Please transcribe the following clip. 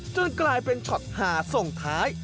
กลายเป็นช็อตหาส่งท้าย